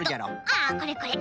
これこれ。